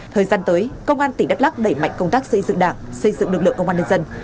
thời gian tới công an tỉnh đắk lắc đẩy mạnh công tác xây dựng đảng xây dựng lực lượng công an nhân dân